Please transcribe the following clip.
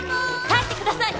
耐えてください！